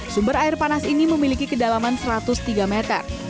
sumber air panas ini memiliki kedalaman satu ratus tiga meter